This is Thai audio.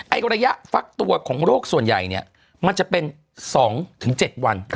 ระยะฟักตัวของโรคส่วนใหญ่เนี่ยมันจะเป็น๒๗วัน